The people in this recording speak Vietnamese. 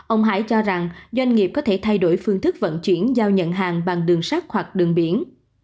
ông hải cho rằng doanh nghiệp có thể thay đổi phương thức vận chuyển giao nhận hàng bằng đường sắt hoặc đường biển